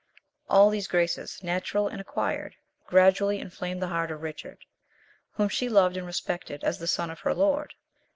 All these graces, natural and acquired, gradually inflamed the heart of Richard, whom she loved and respected as the son of her lord.